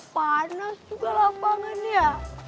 panas juga lapangannya